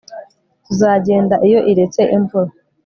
tuzagenda iyo iretse imvura